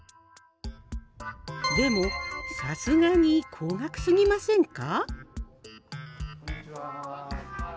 でもさすがに高額すぎませんか？